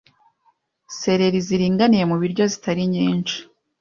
Seleri ziringaniye mubiryo zitari nyinshi